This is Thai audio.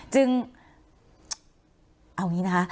จึงเอาอย่างนี้นะคะ